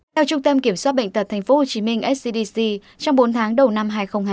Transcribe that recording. theo trung tâm kiểm soát bệnh tật tp hcm scdc trong bốn tháng đầu năm hai nghìn hai mươi